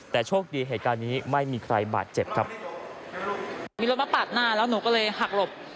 แต่โชคดีเหตุการณ์นี้ไม่มีใครบาดเจ็บครับมีรถมาปาดหน้าแล้วหนูก็เลยหักหลบ